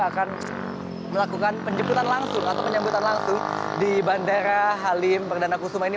rencananya nanti presiden jokowi dodo juga akan melakukan penjemputan langsung di bandara halim perdana kusuma ini